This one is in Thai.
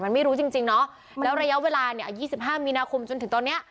มันไม่รู้จริงน้อแล้วระยะเวลา๒๕มินาคมจนถึงตอนนี้